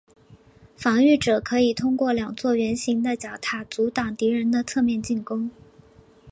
防御者可以通过两座圆形的角塔阻挡敌人的侧面进攻。